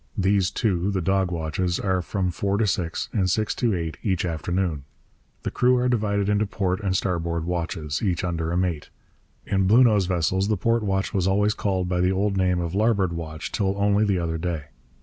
These two, the dog watches, are from four to six and six to eight each afternoon. The crew are divided into port and starboard watches, each under a mate. In Bluenose vessels the port watch was always called by the old name of larboard watch till only the other day.